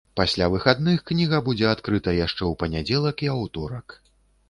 Пасля выхадных кніга будзе адкрыта яшчэ ў панядзелак і аўторак.